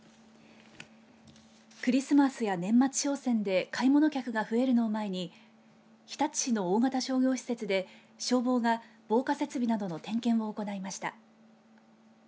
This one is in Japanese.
クリスマスや年末商戦で買い物客が増えるのを前に日立市の大型商業施設で消防が防火設備などの点検を行いました。